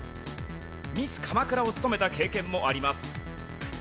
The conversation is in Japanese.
ミス鎌倉を務めた経験もあります。